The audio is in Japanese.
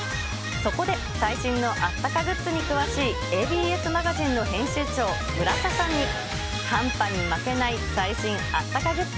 そこで最新のあったかグッズに詳しいＡＢＳマガジンの編集長、ムラタさんに寒波に負けない最新あったかグッズ